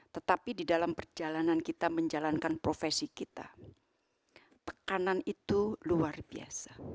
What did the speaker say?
tetapi di dalam perjalanan kita menjalankan profesi kita tekanan itu luar biasa